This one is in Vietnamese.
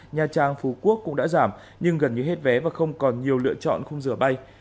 nha trang phú quốc cũng đã giảm nhưng gần như hết vé và không còn nhiều lựa chọn không rửa bay